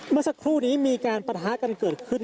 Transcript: เมื่อสักครู่นี้มีการปะทะกันเกิดขึ้น